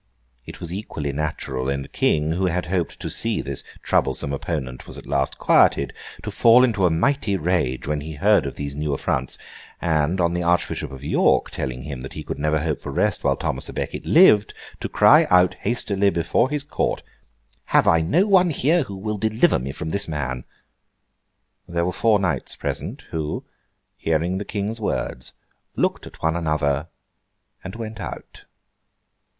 It was equally natural in the King, who had hoped that this troublesome opponent was at last quieted, to fall into a mighty rage when he heard of these new affronts; and, on the Archbishop of York telling him that he never could hope for rest while Thomas à Becket lived, to cry out hastily before his court, 'Have I no one here who will deliver me from this man?' There were four knights present, who, hearing the King's words, looked at one another, and went out.